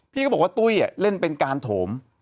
พี่ก็บอกว่าตุ้ยเล่นเป็นการโถม